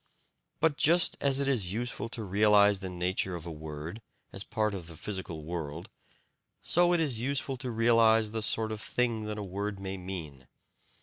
But just as it is useful to realize the nature of a word as part of the physical world, so it is useful to realize the sort of thing that a word may mean.